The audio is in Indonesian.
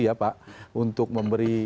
ya pak untuk memberi